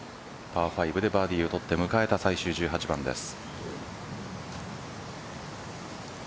パー５でバーディーを取って迎えた最終１８番です。